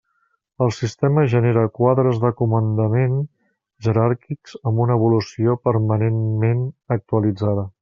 El sistema genera quadres de comandament jeràrquics amb una evolució permanentment actualitzada.